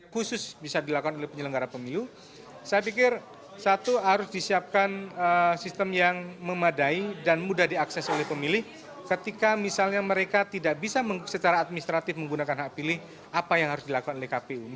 khusus bisa dilakukan oleh penyelenggara pemilu saya pikir satu harus disiapkan sistem yang memadai dan mudah diakses oleh pemilih ketika misalnya mereka tidak bisa secara administratif menggunakan hak pilih apa yang harus dilakukan oleh kpu